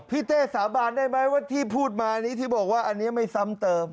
เต้สาบานได้ไหมว่าที่พูดมานี้ที่บอกว่าอันนี้ไม่ซ้ำเติม